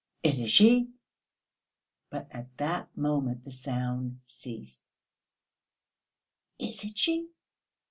"It is she!" But at that moment the sound ceased. "Is it she?"